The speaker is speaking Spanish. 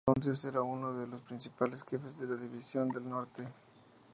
Para entonces era uno de los principales jefes de la División del Norte.